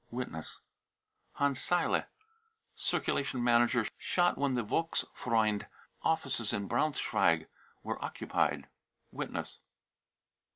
(Witness.) hans saile, circulation manager, shot when the Volksfreund offices in Braunschweig were occupied. (Witness.)